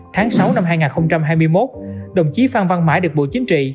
tháng sáu năm hai nghìn hai mươi một đồng chí phan văn mãi được bộ chính trị